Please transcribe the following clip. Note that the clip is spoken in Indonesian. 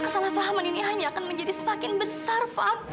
maka kesalahpahaman ini hanya akan menjadi semakin besar van